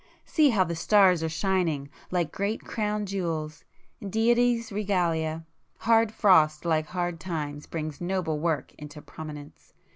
See how the stars are shining!—like great crown jewels—Deity's regalia! Hard frost, like hard times, brings noble works into prominence.